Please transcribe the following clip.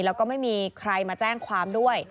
แล้วก็ไม่มีใครมาแจ้งความด้วย